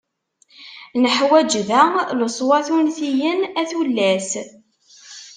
Neḥwaǧ da leṣwat untiyen a tullas!